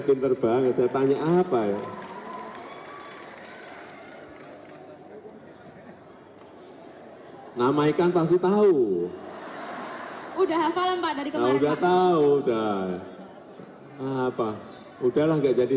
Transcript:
fotonya sudah jadi